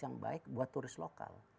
yang baik buat turis lokal